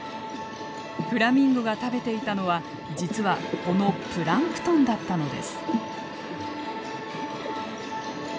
フラミンゴが食べていたのは実はこのプランクトンだったのです。